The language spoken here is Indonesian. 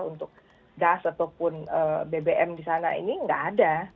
untuk gas ataupun bbm di sana ini nggak ada